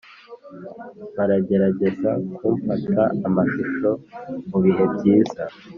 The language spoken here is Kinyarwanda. baragerageza kumfata amashusho mu bihe byiza